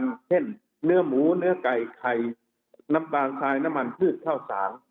เช่นเนื้อหมูเนื้อไก่ไข่น้ำบางทายน้ำมันขืดเข้าสาร